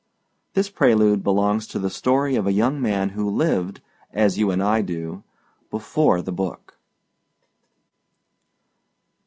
This prelude belongs to the story of a young man who lived, as you and I do, before the book.